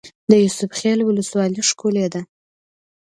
د یوسف خیل ولسوالۍ ښکلې ده